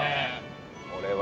これは。